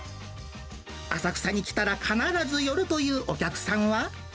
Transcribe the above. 浅草に来たら必ず寄るというお客さんは。